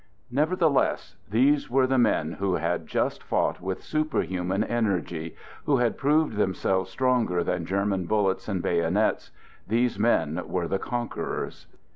Nevertheless, these were the men who had just fought with superhuman energy, who had proved themselves stronger than German bullets and bayo nets; these men were the conquerors.